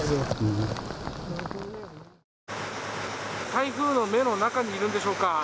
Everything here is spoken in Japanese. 台風の目の中にいるんでしょうか。